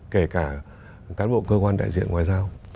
kể cả cán bộ cơ quan đại diện ngoại giao